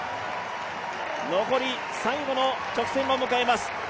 残り最後の直線を迎えます。